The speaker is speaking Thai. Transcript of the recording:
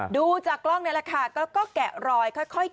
ดูจากกล้องนี่แหละค่ะก็แกะรอยค่อย